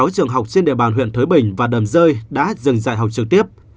sáu trường học trên địa bàn huyện thới bình và đầm rơi đã dừng dạy học trực tiếp